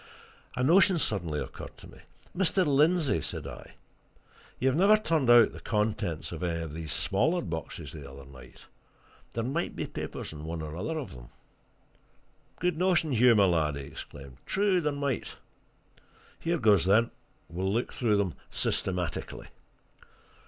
A notion suddenly occurred to me. "Mr. Lindsey," said I, "you never turned out the contents of any of these smaller boxes the other night. There might be papers in one or other of them." "Good notion, Hugh, my lad!" he exclaimed. "True there might. Here goes, then we'll look through them systematically."